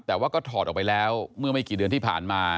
แต่ว่าก็ถอดออกไปแล้วเมื่อไม่กี่เดือนที่ผ่านมา